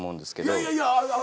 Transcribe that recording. いやいやいや。